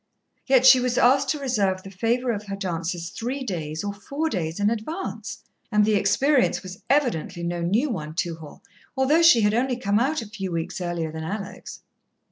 Yet she was asked to reserve the favour of her dances three days or four days in advance, and the experience was evidently no new one to her, although she had only come out a few weeks earlier than Alex!